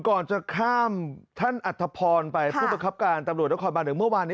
ก่อนจะข้ามท่านอัธพรไปผู้บังคับการตำรวจนครบานหนึ่งเมื่อวานนี้